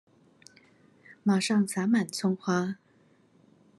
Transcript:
馬上灑滿蔥花